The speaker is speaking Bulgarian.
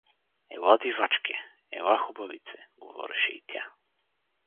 — Ела, дивачке… Ела, хубавице — говореше и тя.